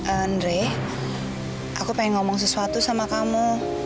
andre aku pengen ngomong sesuatu sama kamu